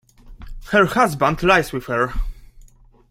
Her husband lies with her.